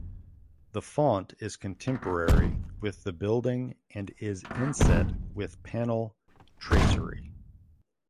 The font is contemporary with the building and is inset with panel tracery.